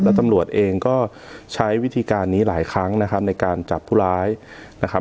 แล้วตำรวจเองก็ใช้วิธีการนี้หลายครั้งนะครับในการจับผู้ร้ายนะครับ